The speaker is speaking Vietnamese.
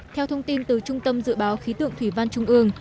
theo thông tin từ trung tâm dự báo khí tượng thủy văn trung ương